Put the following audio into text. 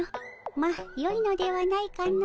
まあよいのではないかの。